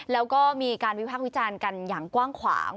แล้วก็มีการวิพากษ์วิจารณ์กันอย่างกว้างขวาง